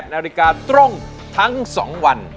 นาฬิกาตรงทั้ง๒วัน